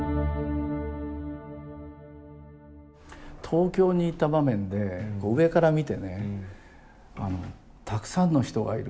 東京に行った場面で上から見てねたくさんの人がいる。